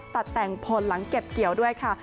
ตัดแต่งพลหลังเก็บเกี่ยวด้วยค่ะ